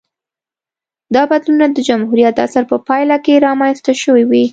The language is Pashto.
دا بدلونونه د جمهوریت عصر په پایله کې رامنځته شوې وې